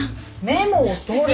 メモを取れ。